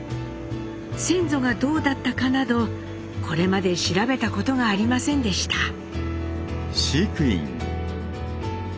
先祖がどうだったかなどこれまで調べたことがありませんでした。